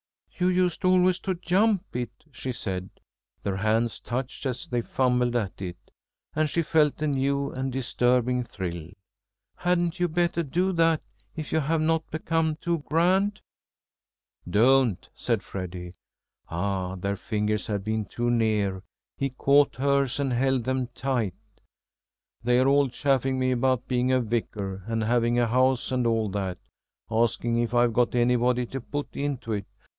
"You used always to jump it," she said. Their hands touched as they fumbled at it, and she felt a new and disturbing thrill. "Hadn't you better do that, if you have not become too grand?" "Don't," said Freddy. Ah, their fingers had been too near; he caught hers and held them tight. "They are all chaffing me about being a Vicar and having a house and all that. Asking if I've got anybody to put into it.